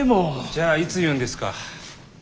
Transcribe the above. じゃあいつ言うんですか？